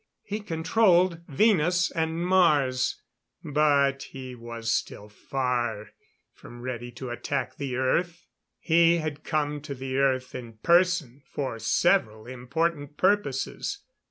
He controlled Venus and Mars but he was still far from ready to attack the Earth. He had come to the Earth in person for several important purposes.